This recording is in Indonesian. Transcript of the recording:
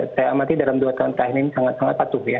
saya amati dalam dua tahun terakhir ini sangat sangat patuh ya